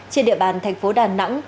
trên địa bàn thành phố đà nẵng